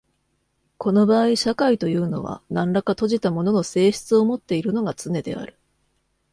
この場合社会というのは何等か閉じたものの性質をもっているのがつねである。